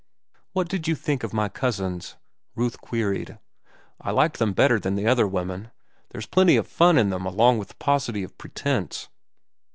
"What did you think of my cousins?" Ruth queried. "I liked them better than the other women. There's plenty of fun in them along with paucity of pretence."